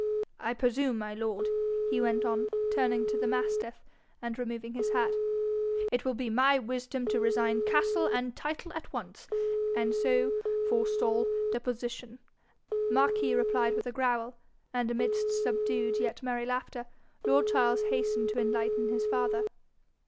I presume, my lord,' he went on, turning to the mastiff, and removing his hat, 'it will be my wisdom to resign castle and title at once, and so forestall deposition.' Marquis replied with a growl, and amidst subdued yet merry laughter, lord Charles hastened to enlighten his father.